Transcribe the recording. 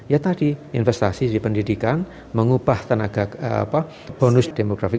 ya tadi investasi di pendidikan mengubah tenaga bonus demografi